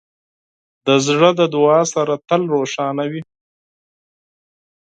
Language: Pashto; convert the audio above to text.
زړه د دعا سره تل روښانه وي.